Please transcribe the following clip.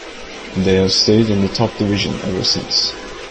They have stayed in the top division ever since.